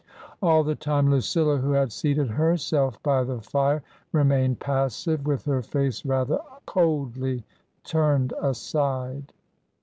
All the time Lucilla, who had seated herself by the fire, re mained passive, with her face rather coldly turned aside.